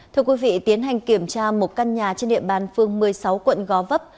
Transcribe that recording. thưa quý vị tiến hành kiểm tra một căn nhà trên địa bàn phương một mươi sáu quận gó vấp